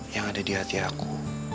yang ada di hati aku